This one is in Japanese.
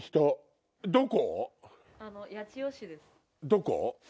どこ？